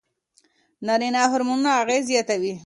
نارینه هورمون اغېز زیاتوي.